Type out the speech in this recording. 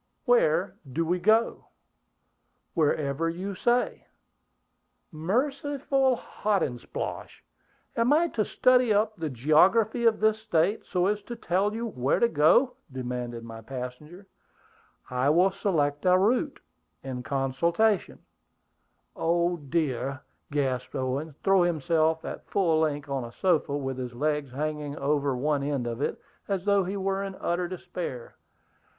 "Where do we go?" "Wherever you say." "Merciful Hotandsplosh! Am I to study up the geography of this State, so as to tell you where to go?" demanded my passenger. "I will select a route, in consultation " "Oh dear!" gasped Owen, throwing himself at full length on a sofa, with his legs hanging over one end of it, as though he were in utter despair.